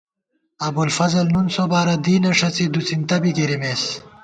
ابُوالفضل نُون سوبارہ دینہ ݭڅی دُوڅِنتہ بی گِرِمېس